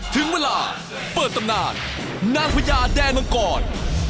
ถึงเวลาเปิดตำนานนางพญาแดนมังกร